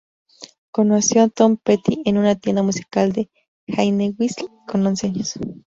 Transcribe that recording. Conoció a Tom Petty en una tienda musical de Gainesville con once años.